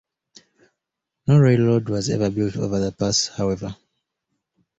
No railroad was ever built over the pass however.